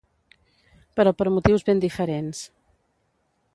Però per motius ben diferents.